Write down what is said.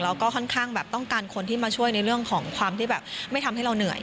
แล้วก็ค่อนข้างแบบต้องการคนที่มาช่วยในเรื่องของความที่แบบไม่ทำให้เราเหนื่อย